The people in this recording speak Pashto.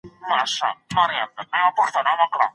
که ساتونکی وي نو خطر نه پیښیږي.